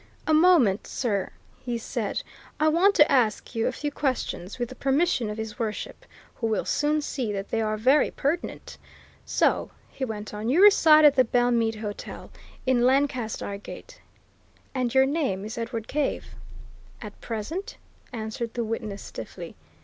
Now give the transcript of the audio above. "A moment, sir," he said. "I want to ask you a few questions, with the permission of His Worship, who will soon see that they are very pertinent. So," he went on, "you reside at the Belmead Hotel, in Lancaster Gate, and your name is Edward Cave?" "At present," answered the witness, stiffly.